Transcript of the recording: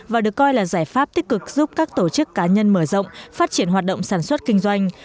và được coi là giải pháp tích cực giúp các tổ chức cá nhân mở rộng phát triển hoạt động sản xuất kinh doanh